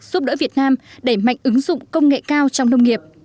giúp đỡ việt nam đẩy mạnh ứng dụng công nghệ cao trong nông nghiệp